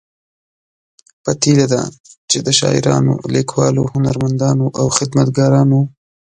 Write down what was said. پتیلې ده چې د شاعرانو، لیکوالو، هنرمندانو او خدمتګارانو